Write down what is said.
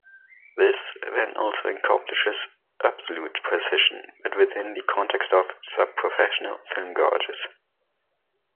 This, then, also accomplishes "absolute" precision, but within the context of "sub-professional" film gauges.